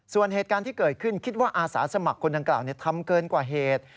ส่วนเหตุการณ์ที่เกิดขึ้นคิดว่าอาสาสมัครคนดังกล่าวทำเกินกว่าเหตุ